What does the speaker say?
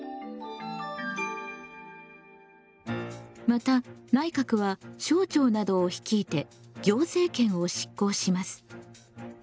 また内閣は省庁などを率いて行政権を執行します。